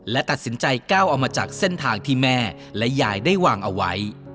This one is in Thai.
และตัดสินใจก้าวเอามาจากเส้นทางที่แม่และยายได้วางเอาไว้